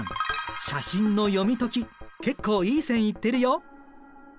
写真の読み解き結構いい線いってるよ。